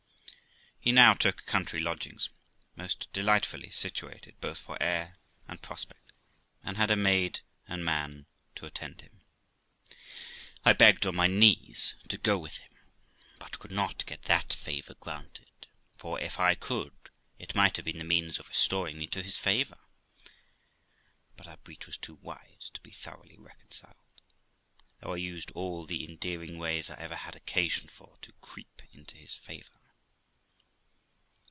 He now took country lodgings, most delighfully situated both for air and prospect, and had a maid and man to attend him. I begged on my knees to go with him, but could not get that favour granted; for, if I could, it might have been the means of restoring me to his favour, but our breach was too wide to be thoroughly reconciled, though I used all the endearing ways I had ever had occasion for to creep into his favour.